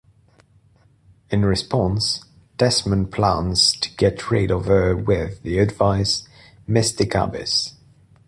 In response, Desmond plans to get rid of her with the advised "Mystic Abyss".